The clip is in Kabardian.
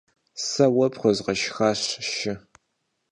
Сэ уэ пхуэзгъэшхащ шы.